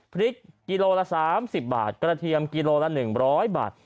พริกกิโลละ๓๐บาทกระเทียมกิโลละ๑๐๐บาท